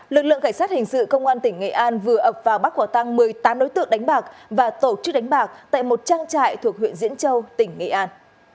lực lượng cảnh sát hình sự công an tỉnh nghệ an vừa ập vào bắt quả tăng một mươi tám đối tượng đánh bạc và tổ chức đánh bạc tại một trang trại thuộc huyện diễn châu tỉnh nghệ an